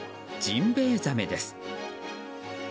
ジンベエザメです。